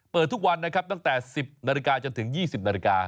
เปิดทุกวันนะครับตั้งแต่๑๐นาฬิกาจนถึง๒๐นาฬิกา